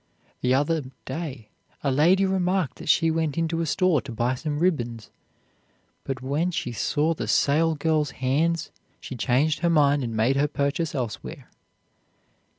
The other day a lady remarked that she went into a store to buy some ribbons, but when she saw the salesgirl's hands she changed her mind and made her purchase elsewhere.